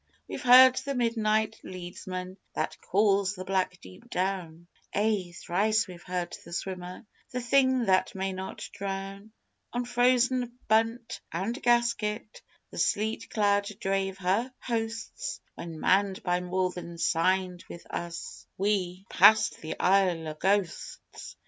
We've heard the Midnight Leadsman That calls the black deep down Ay, thrice we've heard The Swimmer, The Thing that may not drown. On frozen bunt and gasket The sleet cloud drave her hosts, When, manned by more than signed with us, We passed the Isle o' Ghosts!